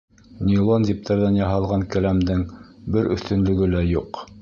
Нейлон ептәрҙән яһалған келәмдең бер өҫтөнлөгө лә юҡ.